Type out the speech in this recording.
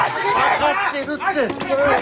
分かってるって！